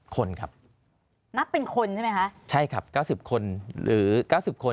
คนครับนับเป็นคนใช่ไหมคะใช่ครับ๙๐คนหรือ๙๐คน